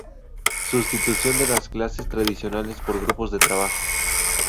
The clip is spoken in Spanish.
Sustitución de las clases tradicionales por grupos de trabajo.